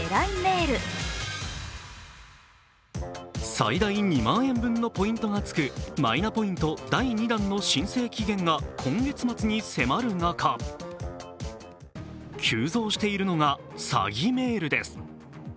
最大２万円分のポイントがつくマイナポイント第２弾の申請期限が今月末に迫る中、急増しているのが詐欺メールです。